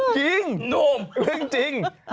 จริงเรื่องจริง